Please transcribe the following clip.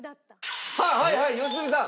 はいはい良純さん。